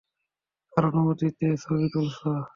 কার অনুমতিতে ছবি তুলছো?